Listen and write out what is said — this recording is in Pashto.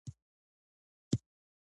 دا د دندو د ښه ترسره کیدو لپاره دي.